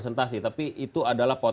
yang baru sudah dilahirkan